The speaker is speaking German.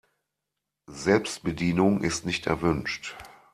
Selbstbedienung ist nicht erwünscht.